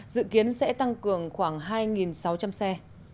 dự kiến sẽ tăng cường khoảng hai sáu trăm linh xe